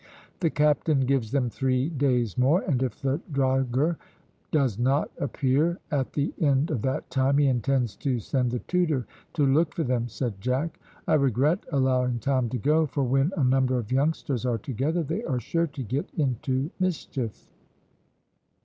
"The captain gives them three days more, and if the drogher does not appear at the end of that time, he intends to send the Tudor to look for them," said Jack. "I regret allowing Tom to go, for when a number of youngsters are together they are sure to get into mischief."